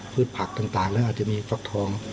ผักต่างแล้วอาจจะมีฟักทอง